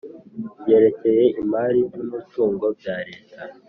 ryerekeye imari n umutungo bya Leta